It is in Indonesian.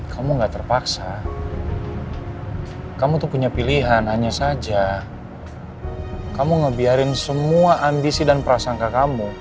kamu gak terpaksa kamu tuh punya pilihan hanya saja kamu ngebiarin semua ambisi dan prasangka kamu